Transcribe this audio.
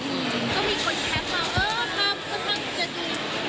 ก็มีคนแทบบอลว่าก็มาจะรุ้ม